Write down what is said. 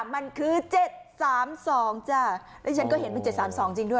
มันคือเจ็ดสามสองจ้ะแล้วฉันก็เห็นมันเจ็ดสามสองจริงด้วย